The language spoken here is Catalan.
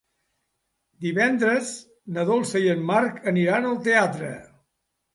Divendres na Dolça i en Marc aniran al teatre.